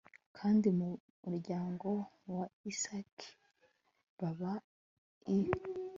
Kandi mu muryango wa Isakari babaha i